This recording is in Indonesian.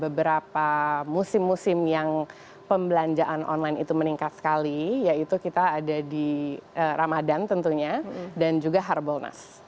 beberapa musim musim yang pembelanjaan online itu meningkat sekali yaitu kita ada di ramadan tentunya dan juga harbolnas